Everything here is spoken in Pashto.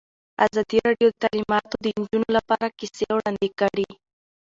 ازادي راډیو د تعلیمات د نجونو لپاره کیسې وړاندې کړي.